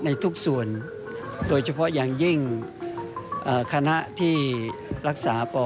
ในทุกส่วนโดยเฉพาะอย่างยิ่งคณะที่รักษาปอ